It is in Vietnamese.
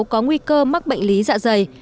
có nguy cơ mắc bệnh lý dạ dày